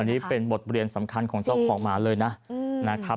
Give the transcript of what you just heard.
อันนี้เป็นบทเรียนสำคัญของเจ้าของหมาเลยนะครับ